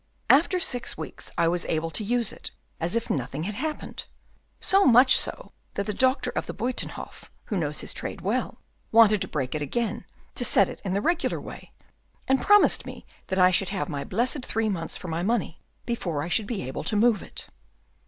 After six weeks, I was able to use it as if nothing had happened, so much so, that the doctor of the Buytenhof, who knows his trade well, wanted to break it again, to set it in the regular way, and promised me that I should have my blessed three months for my money before I should be able to move it."